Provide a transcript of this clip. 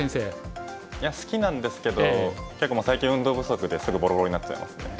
いや好きなんですけど結構もう最近運動不足ですぐぼろぼろになっちゃいますね。